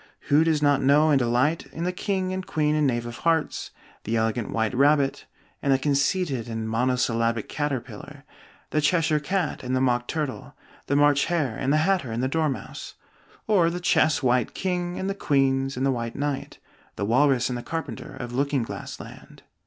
Who does not know and delight in the King and Queen and Knave of Hearts, the elegant White Rabbit and the conceited and monosyllabic Caterpillar, the Cheshire Cat and the Mock Turtle, the March Hare and the Hatter and the Dormouse; or the chess White King and the Queens and the White Knight, the Walrus and the Carpenter, of Looking Glass Land?